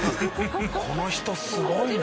この人すごいな！